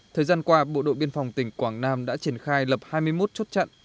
thời gian qua bộ đội biên phòng tỉnh quảng nam đã triển khai lập hai mươi một chốt trận